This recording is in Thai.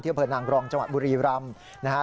เที่ยวเผดนางรองจังหวัดบุรีรำ